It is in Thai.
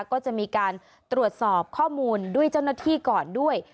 ก็จะมีการตรวจสอบข้อมูลด้วยเจ้าหน้าที่ก่อนด้วย